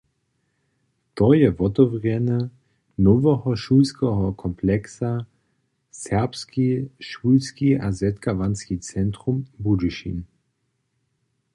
To je wotewrjenje noweho šulskeho kompleksa „Serbski šulski a zetkawanski centrum Budyšin“.